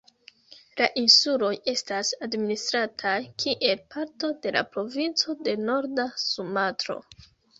La insuloj estas administrataj kiel parto de la provinco de Norda Sumatro.